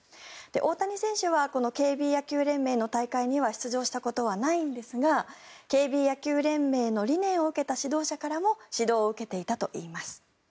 大谷選手はこのＫＢ野球連盟の大会には参加したことはないんですがＫＢ野球連盟の理念を受けた指導者からも指導を受けていたといいます。